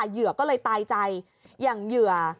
เหยื่อก็เลยตายใจอย่างเหยื่อ